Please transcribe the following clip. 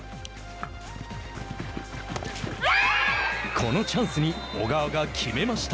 このチャンスに小川が決めました。